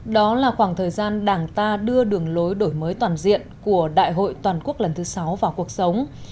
đó là khoảng thời gian đảng ta đưa đường lối đổi mới toàn diện của đại hội toàn quốc lần thứ sáu vào cuộc sống